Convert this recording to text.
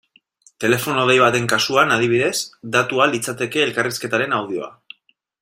Telefono dei baten kasuan, adibidez, datua litzateke elkarrizketaren audioa.